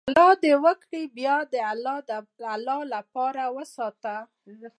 د الله ورکړه باید د الله لپاره وساتو.